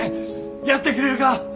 やってくれるか？